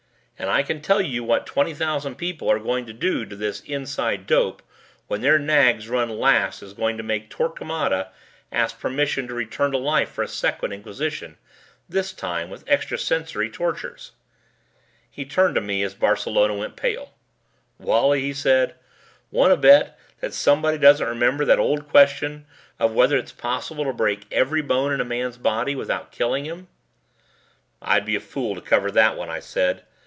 And I can tell you that what twenty thousand people are going to do to this 'Inside Dope' when their nags run last is going to make Torquemada ask permission to return to life for a Second Inquisition, this time with extrasensory tortures." He turned to me as Barcelona went pale. "Wally," he asked, "want to bet that someone doesn't remember that old question of whether it is possible to break every bone in a man's body without killing him?" "I'd be a fool to cover that one," I said.